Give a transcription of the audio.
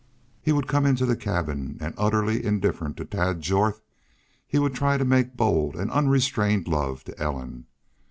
He would come into the cabin and, utterly indifferent to Tad Jorth, he would try to make bold and unrestrained love to Ellen.